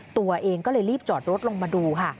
ตัวเองก็เลยรีบจอดรถลงมาดูค่ะ